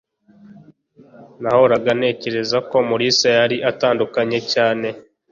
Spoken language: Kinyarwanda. Nahoraga ntekereza ko Mulisa yari atandukanye cyane.